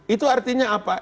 itu artinya apa